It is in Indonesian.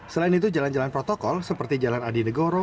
selain itu jalan jalan protokol seperti jalan adi negoro